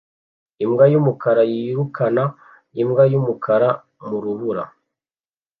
Imbwa yumukara yirukana imbwa yumukara mu rubura